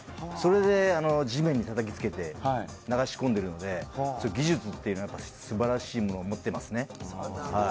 それで地面に叩きつけて流し込ん出るので、技術っていうのは素晴らしいものを持ってますね。